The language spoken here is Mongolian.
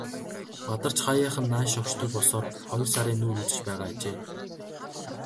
Бадарч хааяахан нааш шогшдог болсоор хоёр сарын нүүр үзэж байгаа ажээ.